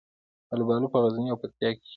الوبالو په غزني او پکتیکا کې کیږي